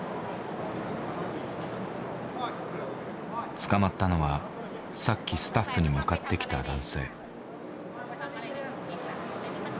捕まったのはさっきスタッフに向かってきた男性。